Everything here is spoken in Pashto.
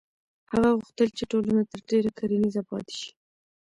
هغه غوښتل چې ټولنه تر ډېره کرنیزه پاتې شي.